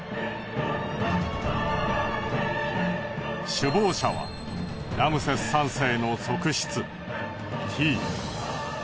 首謀者はラムセス３世の側室ティイ。